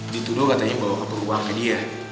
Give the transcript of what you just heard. dituduh katanya bawa keperluan ke dia